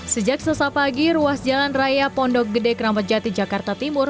sejak selesai pagi ruas jalan raya pondok gede keramat jati jakarta timur